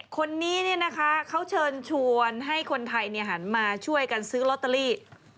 คนนี้เขาเชิญชวนให้คนไทยหันมาช่วยกันซื้อลอตเตอรี่